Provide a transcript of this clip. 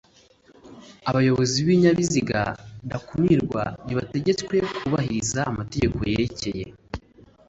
abayobozi b ibinyabiziga ndakumirwa ntibategetswe kubahiriza amategeko yerekeye